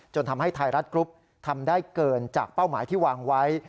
ทำให้ไทยรัฐกรุ๊ปทำได้เกินจากเป้าหมายที่วางไว้